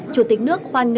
chủ tịch nước hoan nghệ